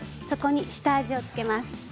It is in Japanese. そこに下味を付けます。